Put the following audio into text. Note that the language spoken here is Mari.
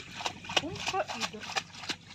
Кумшо ӱдыр.